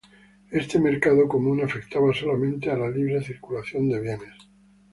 Este mercado común afectaba solamente a la libre circulación de bienes.